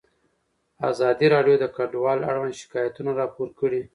ازادي راډیو د کډوال اړوند شکایتونه راپور کړي.